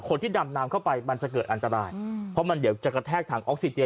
คนที่ดำน้ำเข้าไปมันจะเกิดอันตรายเพราะมันเดี๋ยวจะกระแทกถังออกซิเจ